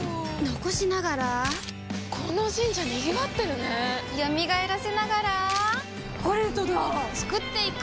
残しながらこの神社賑わってるね蘇らせながらコレドだ創っていく！